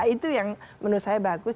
itu yang menurut saya bagus